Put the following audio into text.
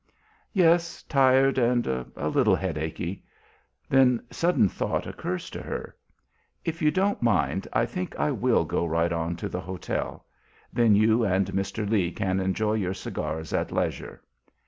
"Yes, tired and a little headachy." Then sudden thought occurs to her. "If you don't mind I think I will go right on to the hotel. Then you and Mr. Lee can enjoy your cigars at leisure."